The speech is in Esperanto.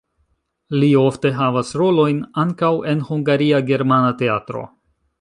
Li ofte havas rolojn ankaŭ en Hungaria Germana Teatro.